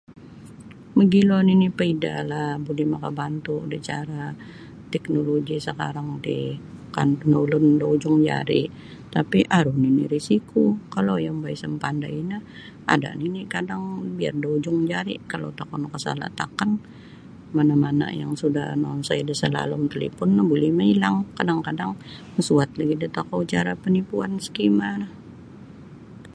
Mogilo nini' paidahlah buli makabantu' da cara teknoloji sakarang ti kaan da ulun da hujung jari' tapi aru nini risiko kalau yombo' isa mapandai no ada nini' kadang biar da hujung jari' kalau tokou nakasala' takan mana-mana' yang sudah noonsoi da salalum talipon no buli mailang kadang-kadang masuat lagi da tokou cara panipuan scammer no.